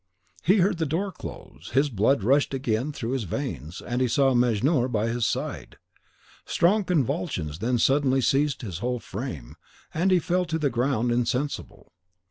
He heard the door close, his blood rushed again through his veins, and he saw Mejnour by his side. Strong convulsions then suddenly seized his whole frame, he fell to the ground insensible.